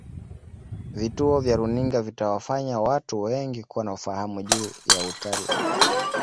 vituo vya runinga vitawafanya watu wengi kuwa na ufahamu juu ya utal